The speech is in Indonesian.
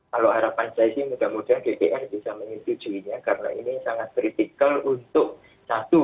kalau harapan saya sih mudah mudahan dpr bisa menyetujuinya karena ini sangat kritikal untuk satu